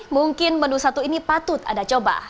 mungkin menu satu ini patut anda coba